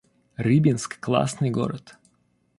Рыбинск — классный город